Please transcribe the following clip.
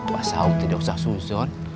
masa aku tidak usah sunsun